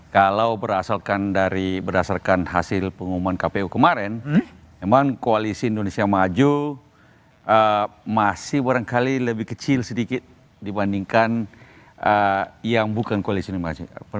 kalau berdasarkan dari berdasarkan hasil pengumuman kpu kemarin memang koalisi indonesia maju masih barangkali lebih kecil sedikit dibandingkan yang bukan koalisi indonesia